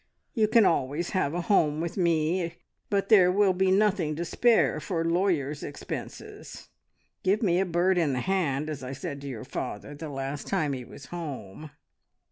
You can always have a home with me; but there will be nothing to spare for lawyers' expenses. Give me a bird in the hand, as I said to your father the last time he was home.